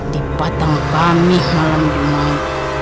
dipatang pamih malam dimana